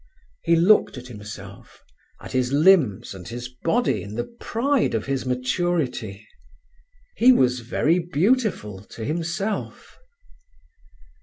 He looked at himself, at his limbs and his body in the pride of his maturity. He was very beautiful to himself.